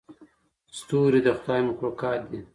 ستوري د خدای مخلوقات دي.